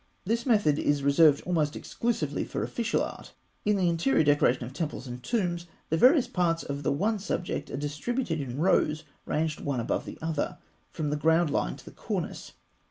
This method is reserved almost exclusively for official art. In the interior decoration of temples and tombs, the various parts of the one subject are distributed in rows ranged one above the other, from the ground line to the cornice.